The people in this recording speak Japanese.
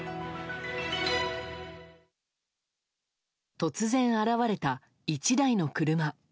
突然現れた１台の車。